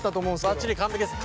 ばっちり完璧です。